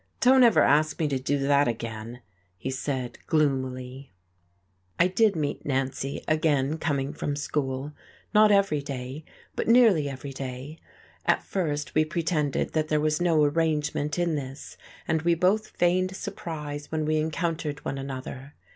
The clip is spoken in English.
"Don't ever ask me to do that again," he said gloomily. I did meet Nancy again coming from school, not every day, but nearly every day. At first we pretended that there was no arrangement in this, and we both feigned surprise when we encountered one another.